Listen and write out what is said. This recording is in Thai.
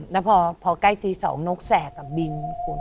แล้วพอใกล้ตี๒นกแสกกับบิง